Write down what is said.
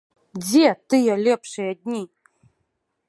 Дзе тыя лепшыя дні?